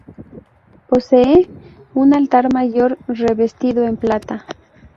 Posee un altar mayor revestido en plata.